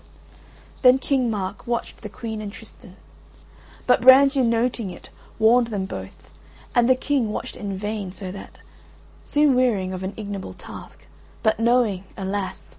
Then King Mark watched the Queen and Tristan; but Brangien noting it warned them both and the King watched in vain, so that, soon wearying of an ignoble task, but knowing (alas!)